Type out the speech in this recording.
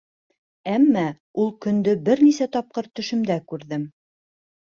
Әммә ул көндө бер нисә тапҡыр төшөмдә күрҙем.